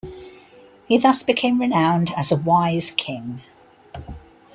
He thus became renowned as a wise king.